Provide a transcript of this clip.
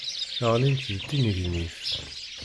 Ɣlint d tinnegnit.